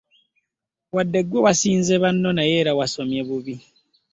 Wadde ggwe wasinze banno naye era wasomye bubi.